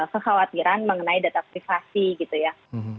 kekhawatiran mengenai data privasi gitu ya